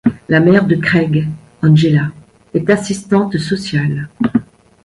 La mère de Craig, Angela, est assistante sociale.